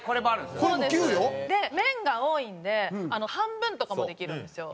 で麺が多いんで半分とかもできるんですよ。